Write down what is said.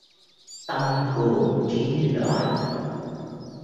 Tâm cuồng, trí loạn.